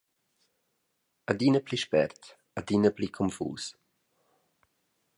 Adina pli spert, adina pli confus.